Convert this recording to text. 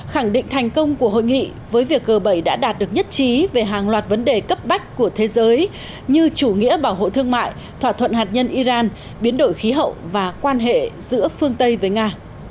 khẳng định thành công của hội nghị với việc g bảy đã đạt được nhất trí về hàng loạt vấn đề cấp bách của thế giới như chủ nghĩa bảo hộ thương mại thỏa thuận hạt nhân iran biến đổi khí hậu và quan hệ giữa phương tây với nga